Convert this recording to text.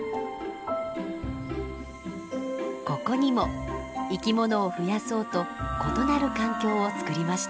ここにも生き物を増やそうと異なる環境をつくりました。